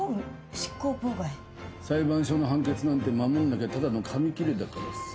裁判所の判決なんて守んなきゃただの紙切れだからさ。